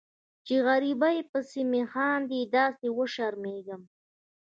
چې غریبۍ پسې مې خاندي داسې وشرمیږم